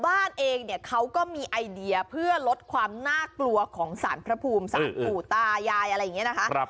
บ้านเองเนี่ยเขาก็มีไอเดียเพื่อลดความน่ากลัวของสารพระภูมิสารปู่ตายายอะไรอย่างนี้นะคะ